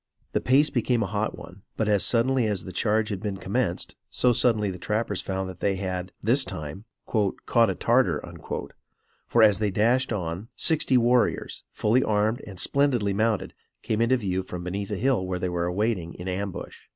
The pace became a hot one; but, as suddenly as the charge had been commenced, so suddenly the trappers found that they had, this time "caught a Tartar;" for, as they dashed on, sixty warriors, fully armed and splendidly mounted, came into view from beneath a hill where they were awaiting in ambush.